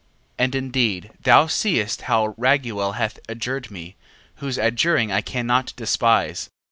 9:5. And indeed thou seest how Raguel hath adjured me, whose adjuring I cannot despise.